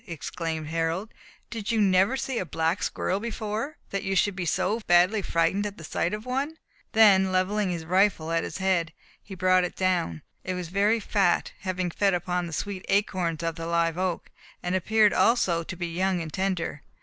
exclaimed Harold, "did you never see a black squirrel before, that you should be so badly frightened at the sight of one?" then levelling his rifle at its head, he brought it down. It was very fat, having fed upon the sweet acorns of the live oak, and appeared also to be young and tender.